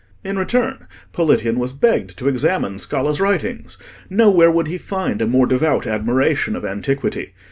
In return, Politian was begged to examine Scala's writings: nowhere would he find a more devout admiration of antiquity.